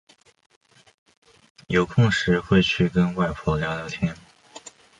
有空时会去跟外婆聊聊天